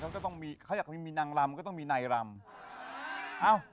เขาอยากมีนางรำก็ต้องมีนายรำ